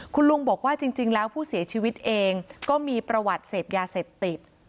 คุณลุงบอกว่าจริงแล้วผู้เสียชีวิตเองก็มีประวัติเสพยาเสพติด